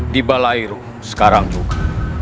di balairu sekarang juga